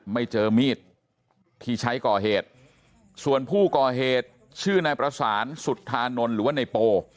ไม่เจอมีดที่ใช้ก่อเหตุส่วนผู้ก่อเหตุชื่อนายประสานสุธานนท์หรือว่าในโป